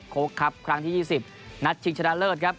โค้กครับครั้งที่๒๐นัดชิงชนะเลิศครับ